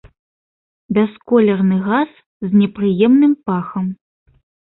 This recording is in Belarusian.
Бясколерны газ з непрыемным пахам.